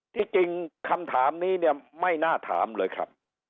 ที่จริงคำถามนี้เนี่ยไม่น่าถามเลยครับ